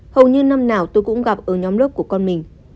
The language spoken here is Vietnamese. hầu như năm nào tôi cũng gặp ở nhóm lớp của con mình